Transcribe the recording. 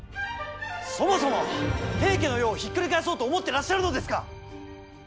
そもそも平家の世をひっくり返そうと思ってらっしゃるのですか！